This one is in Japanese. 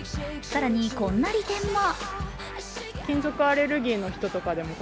更に、こんな利点も。